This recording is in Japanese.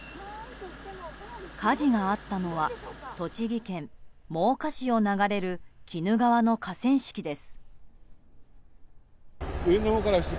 火事があったのは栃木県真岡市を流れる鬼怒川の河川敷です。